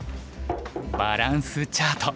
「バランスチャート」。